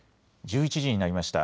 １１時になりました。